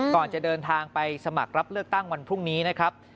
ก่อนจะเดินทางไปสมัครรับเลือกตั้งวันพรุ่งนี้นะครับ